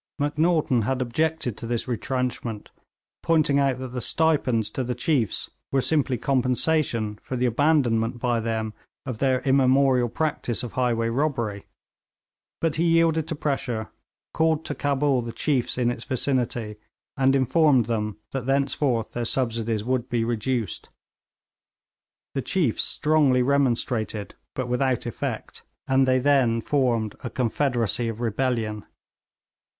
Macnaghten had objected to this retrenchment, pointing out that the stipends to the chiefs were simply compensation for the abandonment by them of their immemorial practice of highway robbery, but he yielded to pressure, called to Cabul the chiefs in its vicinity, and informed them that thenceforth their subsidies would be reduced. The chiefs strongly remonstrated, but without effect, and they then formed a confederacy of rebellion.